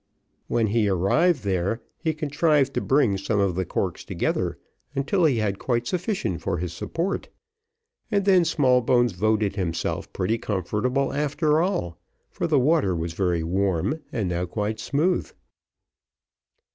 When he arrived there, he contrived to bring some of the corks together, until he had quite sufficient for his support, and then Smallbones voted himself pretty comfortable after all, for the water was very warm, and now quite smooth.